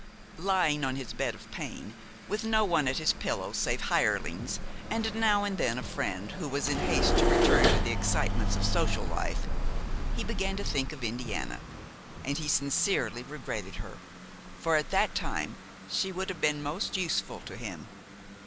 Lying on his bed of pain, with no one at his pillow save hirelings and now and then a friend who was in haste to return to the excitements of social life, he began to think of Indiana, and he sincerely regretted her, for at that time she would have been most useful to him.